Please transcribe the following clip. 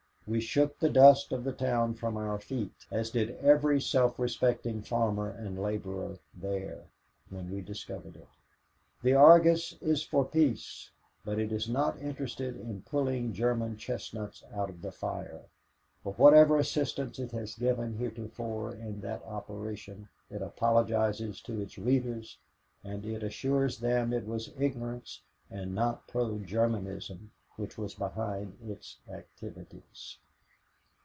We shook the dust of the town from our feet, as did every self respecting farmer and laborer there, when we discovered it. The Argus is for peace, but it is not interested in pulling German chestnuts out of the fire. For whatever assistance it has given heretofore in that operation it apologizes to its readers and it assures them it was ignorance and not pro Germanism which was behind its activities."